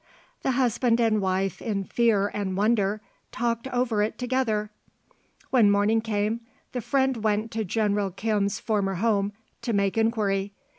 '" The husband and wife in fear and wonder talked over it together. When morning came the friend went to General Kim's former home to make inquiry.